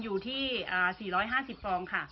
อยู่ที่๔๑๕ค่ะ